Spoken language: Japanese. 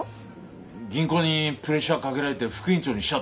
銀行にプレッシャーかけられて副院長にしちゃったんだよ。